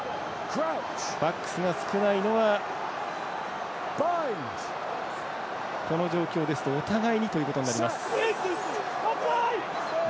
バックスが少ないのはこの状況ですとお互いにということになります。